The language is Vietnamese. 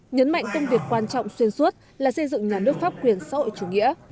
nhấn mạnh công việc quan trọng xuyên suốt là xây dựng nhà nước pháp quyền xã hội chủ nghĩa